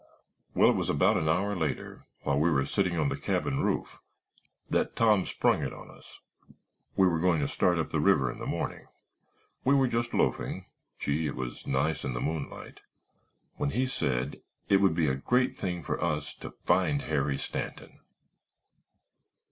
"Well, it was about an hour later, while we were sitting on the cabin roof, that Tom sprung it on us. We were going to start up river in the morning; we were just loafing—gee, it was nice in the moonlight!—when he said it would be a great thing for us to find Harry Stanton!